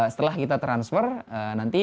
setelah kita transfer nanti